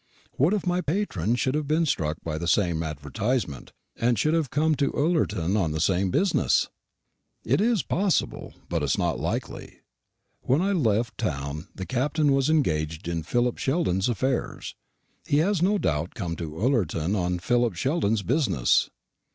What if my patron should have been struck by the same advertisement, and should have come to Ullerton on the same business? It is possible, but it is not likely. When I left town the Captain was engaged in Philip Sheldon's affairs. He has no doubt come to Ullerton on Philip Sheldon's business.